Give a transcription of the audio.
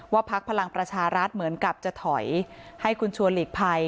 พักพลังประชารัฐเหมือนกับจะถอยให้คุณชวนหลีกภัย